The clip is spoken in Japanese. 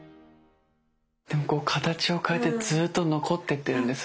でもこう形を変えてずっと残っていってるんですね。